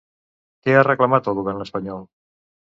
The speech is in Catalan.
Què ha reclamat al govern espanyol?